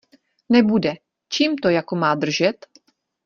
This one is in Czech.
Nebude, čím to jako má držet?